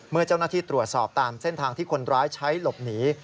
เมื่อเจ้าหน้าที่ตรวจสอบตามเส้นทางที่คนร้ายใช้หลบหนี